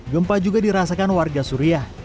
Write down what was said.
gempa juga dirasakan warga suriah